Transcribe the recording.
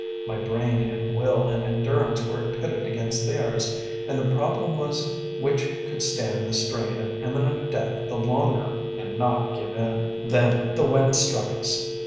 My brain and will and endurance were pitted against theirs, and the problem was which could stand the strain of imminent death the longer and not give in. Then the wind struck us.